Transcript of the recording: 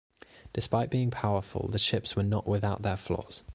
Despite being powerful the ships were not without their flaws.